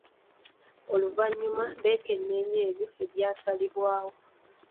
Oluvanyuma bekeneenya ebyo ebyasalibwawo.